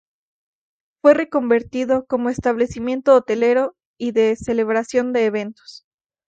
Fue reconvertido como establecimiento hotelero y de celebración de eventos.